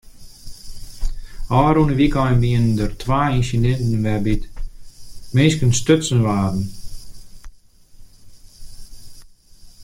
Ofrûne wykein wiene der twa ynsidinten wêrby't minsken stutsen waarden.